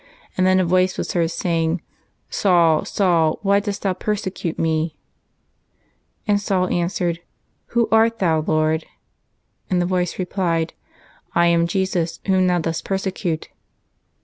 And then a voice was heard saying, " Saul, Saul, why dost thou persecute Me ?" And Saul answered, *^ Who art Thou, Lord?" and the voice replied, ^'^ I am Jesus, Whom thou dost persecute."